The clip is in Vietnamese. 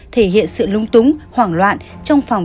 thể hiện sự lung túng hoảng loạn trong phòng